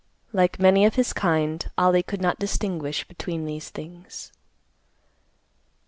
Like many of his kind, Ollie could not distinguish between these things.